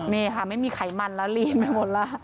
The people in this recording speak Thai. นี่ค่ะไม่มีไขมันแล้วลีนไปหมดแล้ว